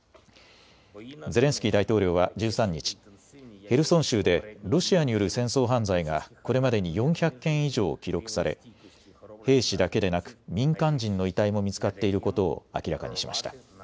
ゼレンスキー大統領は１３日、ヘルソン州でロシアによる戦争犯罪がこれまでに４００件以上記録され、兵士だけでなく民間人の遺体も見つかっていることを明らかにしました。